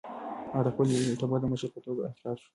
هغه د خپل ټبر د مشر په توګه انتخاب شو.